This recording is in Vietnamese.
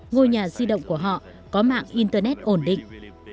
ngôi nhà di động của họ có mạng internet ổn định